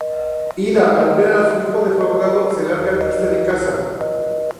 Ida, al ver a su hijo defraudado se larga triste de casa.